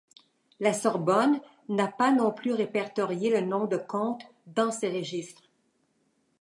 La Sorbonne n'a pas non plus répertorié le nom de Conte dans ses registres.